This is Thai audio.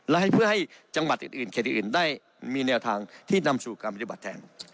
และเพื่อให้จังหวัดอื่นเขตอื่นได้มีแนวทางที่นำสู่การปฏิบัติแทน